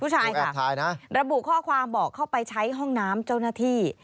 ค่ะระบุข้อความบอกเข้าไปใช้ห้องน้ำเจ้าหน้าที่